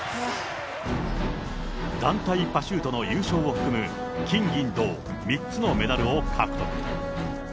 団体パシュートの優勝を含む、金銀銅３つのメダルを獲得。